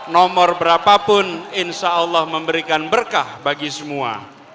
nomor berapa pun insyaallah memberikan berkah bagi semua